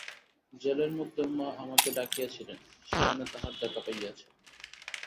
জেলের মধ্যেও মা আমাকে ডাকিয়াছিলেন, সেখানে তাঁহার দেখা পাইয়াছি।